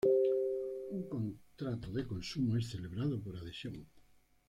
Un contrato de consumo es celebrado por adhesión.